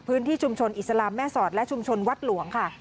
พื้นที่ชุมชนอิสลามแม่สอดและชุมชนวัดหลวงค่ะ